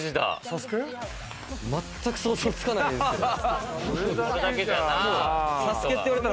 全く想像つかないですけど。